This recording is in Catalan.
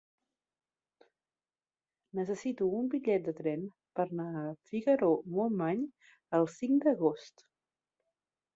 Necessito un bitllet de tren per anar a Figaró-Montmany el cinc d'agost.